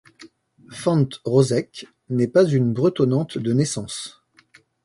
Fant Rozec n'est pas une bretonnante de naissance.